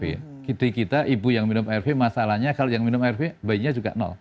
jadi kita ibu yang minum air v masalahnya kalau yang minum air v bayinya juga